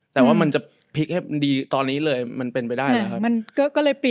แต่ว่ามันจะพลิกให้มันดีตอนนี้เลยมันเป็นไปได้นะครับ